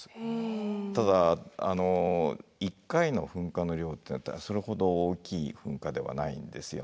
ただ１回の噴火の量ってなったらそれほど大きい噴火ではないんですよ。